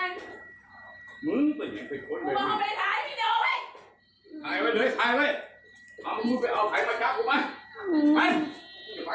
แต่ไม่ต้องคิดว่าโดยมันอะไรก็จริงนะ